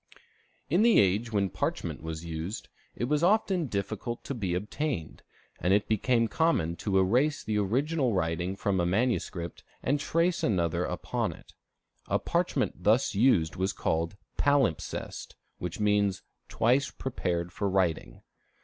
In the age when parchment was used, it was often difficult to be obtained; and it became common to erase the original writing from a manuscript and trace another upon it. A parchment thus used was called palimpsest, which means "twice prepared for writing."